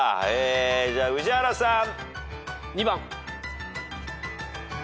じゃあ宇治原さん。